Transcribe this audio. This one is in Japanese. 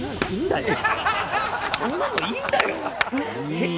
そんなのいいんだよ！